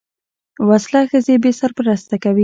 وسله ښځې بې سرپرسته کوي